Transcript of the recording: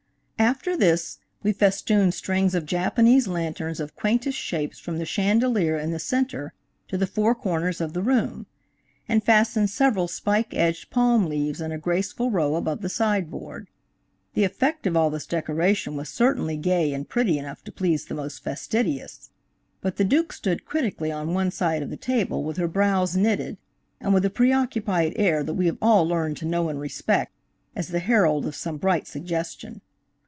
After this, we festooned strings of Japanese lanterns of quaintest shapes from the chandelier in the center to the four corners of the room, and fastened several spike edged palm leaves in a graceful row above the sideboard. The effect of all this decoration was certainly gay and pretty enough to please the most fastidious, but the Duke stood critically on one side of the table with her brows knitted, and with a preoccupied air that we have all learned to know and respect, as the herald of some bright suggestion.